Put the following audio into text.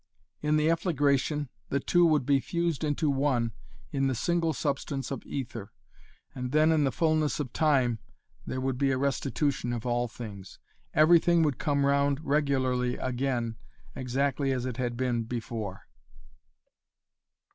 In the efflagration the two would be fused into one in the single substance of aether. And then in the fulness of time there would be a restitution of all things. Everything would come round regularly again exactly as it had been before.